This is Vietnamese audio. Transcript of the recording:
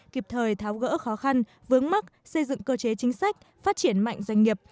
kịp thời tháo gỡ khó khăn vướng mắt xây dựng cơ chế chính sách phát triển mạnh doanh nghiệp